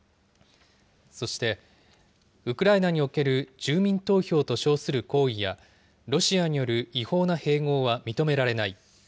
そして、ウクライナにおける住民投票と称する行為や、ロシアによる違法な併合は認められない。